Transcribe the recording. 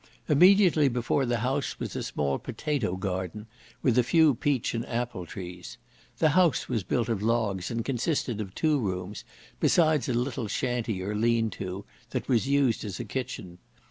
Immediately before the house was a small potatoe garden, with a few peach and apple trees. The house was built of logs, and consisted of two rooms, besides a little shanty or lean to, that was used as a kitchen.